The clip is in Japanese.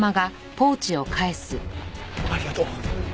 ありがとう。